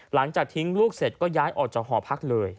หลังจากทิ้งลูกเสร็จก็ย้ายออกจากหอพักเลย